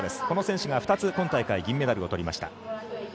この選手が２つ今大会で銀メダルをとりました。